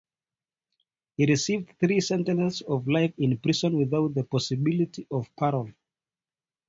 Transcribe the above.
He received three sentences of life in prison without the possibility of parole.